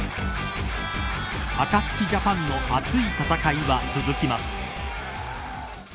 アカツキジャパンの熱い戦いは続きます。